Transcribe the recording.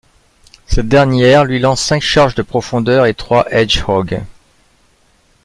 Cette dernière, lui lance cinq charges de profondeur et trois Hedgehog.